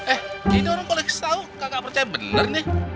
eh ini orang kalau kasih tau kagak percaya bener nih